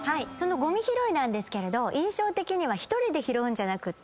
ゴミ拾いなんですけど印象的には１人で拾うんじゃなくて。